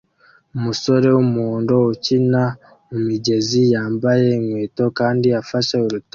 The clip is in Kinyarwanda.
Umusore wumuhondo ukina mumigezi yambaye inkweto kandi afashe urutare